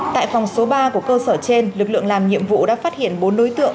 tại phòng số ba của cơ sở trên lực lượng làm nhiệm vụ đã phát hiện bốn đối tượng